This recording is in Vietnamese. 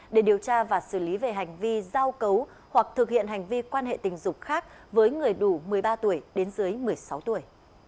để điều tra và xử lý về hành vi giao cấu hoặc thực hiện hành vi quan hệ tình dục khác với người đủ một mươi ba tuổi đến dưới một mươi sáu tuổi